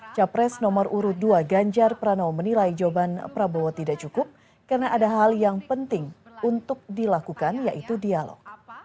capres nomor urut dua ganjar pranowo menilai jawaban prabowo tidak cukup karena ada hal yang penting untuk dilakukan yaitu dialog